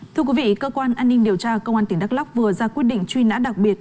thưa quý vị cơ quan an ninh điều tra công an tỉnh đắk lóc vừa ra quyết định truy nã đặc biệt